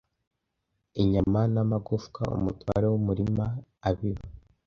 inyama n'amagufwa umutware wumurima abiba